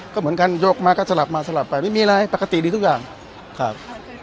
ก็เหมือนกันยกมาก็สลับมาสลับไปไม่มีอะไรปกติดีทุกอย่างครับ